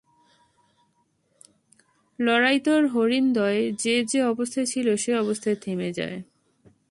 লড়াইরত হরিণদ্বয় যে যে অবস্থায় ছিল সে অবস্থায় থেমে যায়।